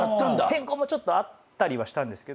変更もちょっとあったりはしたんですけど。